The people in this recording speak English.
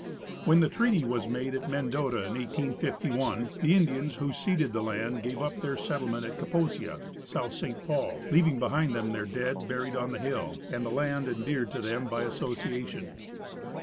When the treaty was made at Mendota in 1851, the Indians who ceded the land gave up their settlement at Kaposia, (South St. Paul), leaving behind them their dead, buried on the hill, and the land endeared to them by association.